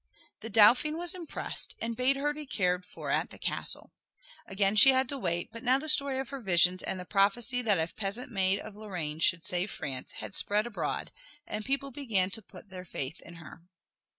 The Dauphin was impressed, and bade her be cared for at the castle. Again she had to wait, but now the story of her visions and the prophecy that a peasant maid of Lorraine should save France had spread abroad and people began to put their faith in her.